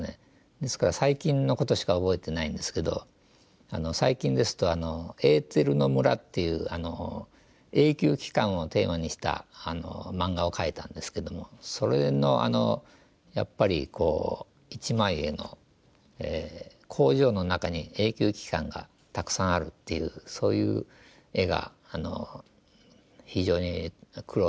ですから最近のことしか覚えてないんですけど最近ですと「エーテルの村」っていう永久機関をテーマにした漫画を描いたんですけどもそれのあのやっぱりこう一枚絵の工場の中に永久機関がたくさんあるっていうそういう絵が非常に苦労しましたね。